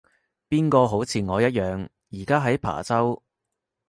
邊個好似我一樣而家喺琶洲